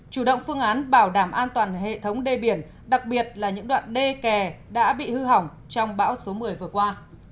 chủ động phương án bảo đảm an toàn hệ thống đê biển đặc biệt là những đoạn đê kè đã bị hư hỏng trong bão số một mươi vừa qua